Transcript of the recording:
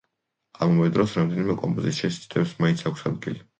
ამავე დროს, რამდენიმე კომპოზიციაში ცდებს მაინც აქვს ადგილი.